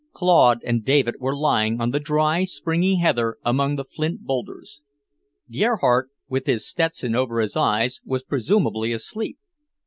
Claude and David were lying on the dry, springy heather among the flint boulders. Gerhardt, with his Stetson over his eyes, was presumably asleep.